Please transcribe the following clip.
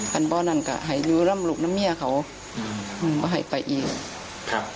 บ่อนั้นก็ให้อยู่ร่ำลูกน้ำเมียเขาอืมก็ให้ไปอีกครับ